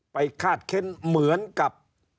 คาดเค้นเหมือนกับ